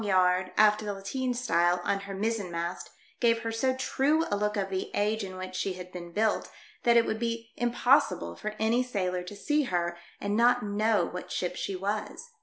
yard, after the lateen style, on her mizzen mast, gave her so true a look of the age in which she had been built that it would be impossible for any sailor to see her and not know what ship she was.